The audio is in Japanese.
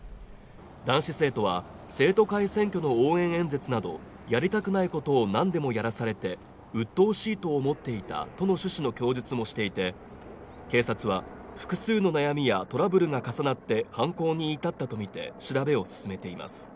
男子生徒は、生徒会選挙の応援演説などやりたくないことを何でもやらされてうっとうしいと思っていたとの趣旨の供述もしていて、警察は複数の悩みやトラブルが重なって犯行に至ったとみて、調べを進めています。